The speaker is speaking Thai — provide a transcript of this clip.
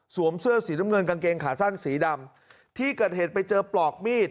เสื้อสีน้ำเงินกางเกงขาสั้นสีดำที่เกิดเหตุไปเจอปลอกมีด